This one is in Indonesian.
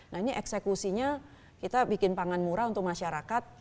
nah ini eksekusinya kita bikin pangan murah untuk masyarakat